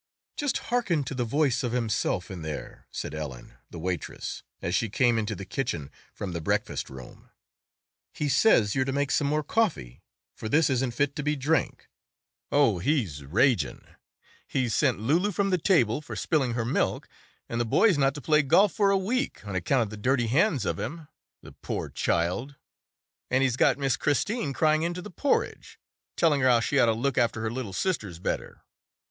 "Just hearken to the voice of himself in there," said Ellen, the waitress, as she came into the kitchen from the breakfast room. "He says you're to make some more coffee, for this isn't fit to be drank. Oh, he's ragin'! He's sent Loulou from the table for spilling her milk, and the boy's not to play golf for a week on account of the dirty hands of him, the poor child; and he's got Miss Christine crying into the porridge, telling her how she'd oughter look after her little sisters better.